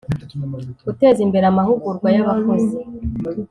Guteza imbere amahugurwa y abakozi